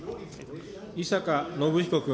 井坂信彦君。